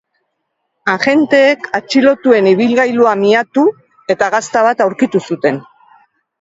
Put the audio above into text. Agenteek atxilotuen ibilgailua miatu eta gazta bat aurkitu zuten.